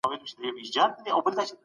يو انسان په برخي کي خپل مقام ساتی.